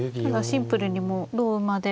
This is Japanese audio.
シンプルにもう同馬で。